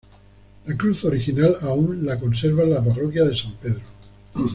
La cruz original aun la conserva la parroquia de San Pedro.